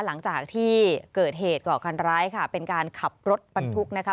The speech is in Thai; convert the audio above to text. หลังจากที่เกิดเหตุก่อการร้ายค่ะเป็นการขับรถบรรทุกนะคะ